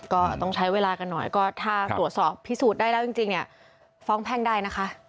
ก็ต้องใช้เวลากันหน่อยก็ถ้าตรวจสอบพิสูจน์ได้แล้วจริงเนี่ยฟ้องแพ่งได้นะคะ